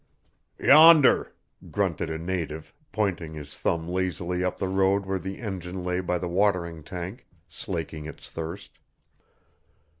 "Yonder," grunted a native, pointing his thumb lazily up the road where the engine lay by the watering tank, slaking its thirst.